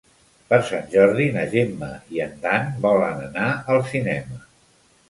Per Sant Jordi na Gemma i en Dan volen anar al cinema.